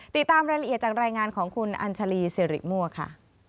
ติดตามรายละเอียดจากรายงานของคุณอัญชาลีสิริมั่วค่ะ